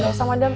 gak usah madem